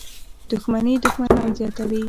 • دښمني دښمنان زیاتوي.